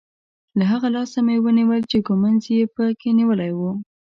له هغه لاسه مې ونیول چې ږومنځ یې په کې نیولی وو.